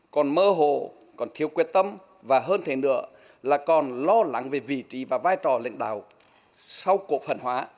còn mơ hồ còn thiếu quyết tâm và hơn thế nữa là còn lo lắng về vị trí và vai trò lãnh đạo sau cuộc hận hóa